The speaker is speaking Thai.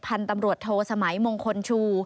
ทานตำรวจโทรสมัยมงคลชู